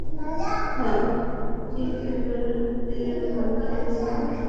ঠিক এরকমটাই ঘটবে।